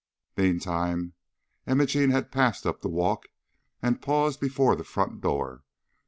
Meantime Imogene had passed up the walk and paused before the front door.